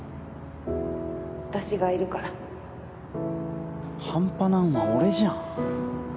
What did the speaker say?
私がいるから半端なんは俺じゃん。